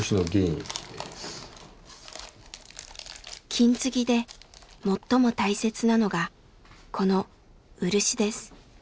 金継ぎで最も大切なのがこの漆です。